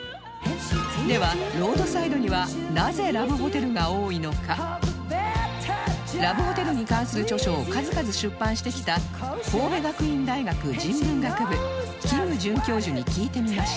ではラブホテルに関する著書を数々出版してきた神戸学院大学人文学部金准教授に聞いてみました